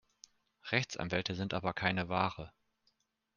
Rechtsanwälte sind aber keine Ware.